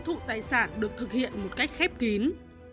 như tiêu thụ tài sản được thực hiện một cách khép kín